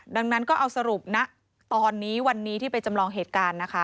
ดังนั้นก็เอาสรุปนะตอนนี้วันนี้ที่ไปจำลองเหตุการณ์นะคะ